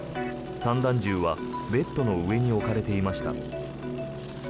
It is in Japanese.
散弾銃はベッドの上に置かれていました。